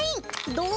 どう？